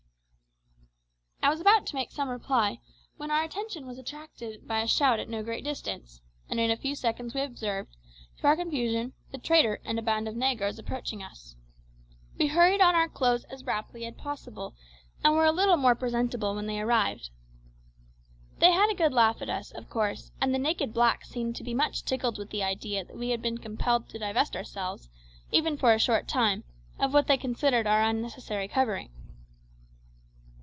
I was about to make some reply, when our attention was attracted by a shout at no great distance, and in a few seconds we observed, to our confusion, the trader and a band of negroes approaching us. We hurried on our clothes as rapidly as possible, and were a little more presentable when they arrived. They had a good laugh at us, of course, and the naked blacks seemed to be much tickled with the idea that we had been compelled to divest ourselves, even for a short time, of what they considered our unnecessary covering.